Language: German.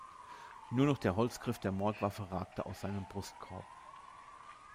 Nur noch der Holzgriff der Mordwaffe ragte aus seinem Brustkorb.